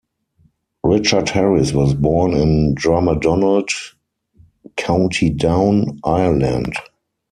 Richard Harris was born in Drummadonald, County Down, Ireland.